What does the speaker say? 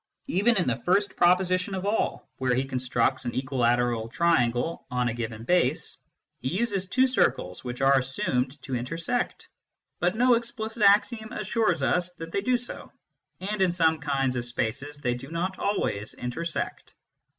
Even in the first proposition of all, where he constructs an equilateral triangle on a given base, he uses two circles which are assumed to intersect. But no explicit axiom assures us that they do so, and in some kinds of spaces they do not always intersect.